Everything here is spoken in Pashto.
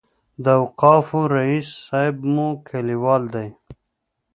د اوقافو رئیس صاحب مو کلیوال دی.